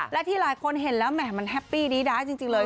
และที่หลายคนเห็นแล้วแหมมันแฮปปี้ดีด้าจริงเลย